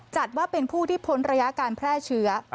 จัดว่าเป็นผู้ที่พ้นระยะการแพร่เชื้อ